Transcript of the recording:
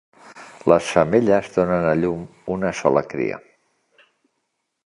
Les femelles donen a llum una sola cria.